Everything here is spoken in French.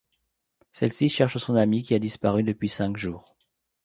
Celle-ci cherche son amie qui a disparu depuis cinq jours.